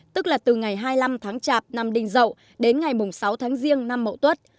tức là từ ngày hai mươi năm tháng chạp năm đinh dậu đến ngày sáu tháng giêng năm mộ tốt